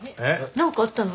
なんかあったの？